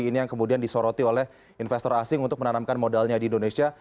ini yang kemudian disoroti oleh investor asing untuk menanamkan modalnya di indonesia